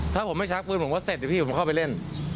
ถ้าผมไม่ชักปืนผมก็เสร็จเดี๋ยวพี่ผมเข้าไปเล่น